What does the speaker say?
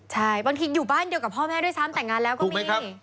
ใช่บางทีอยู่บ้านเดียวกับพ่อแม่ด้วยซ้ำแต่งงานแล้วก็มี